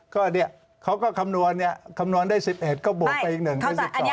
ก็นี่เขาก็คำนวณนะคำนวณได้๑๑ก็บวกไปอีกหนึ่งเป็น๑๒